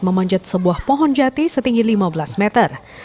memanjat sebuah pohon jati setinggi lima belas meter